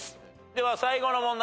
では最後の問題